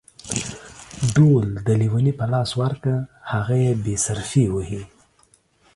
ډول د ليوني په لاس ورکه ، هغه يې بې صرفي وهي.